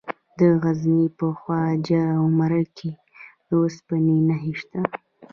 د غزني په خواجه عمري کې د اوسپنې نښې شته.